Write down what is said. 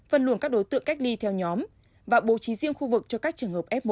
phân luồng các đối tượng cách ly theo nhóm và bố trí riêng khu vực cho các trường hợp f một